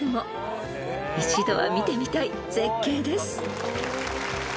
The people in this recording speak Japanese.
［一度は見てみたい絶景です］